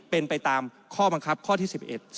เป็นไปตามข้อบังคับข้อที่๑๑